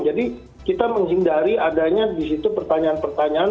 jadi kita menghindari adanya di situ pertanyaan pertanyaan